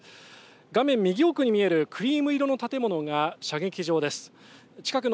画面に右奥に見えるクリーム色の建物が射撃場です。